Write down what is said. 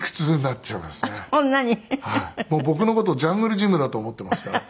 僕の事ジャングルジムだと思っていますから。